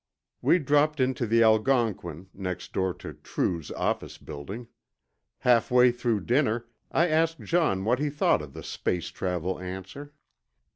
We dropped into the Algonquin, next door to True's office building. Halfway through dinner, I asked John what he thought of the space travel answer.